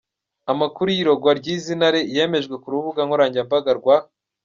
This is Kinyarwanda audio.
Amakuru y’irogwa ry’izi ntare yamejwe ku rubuga nkoranyambaga rwa.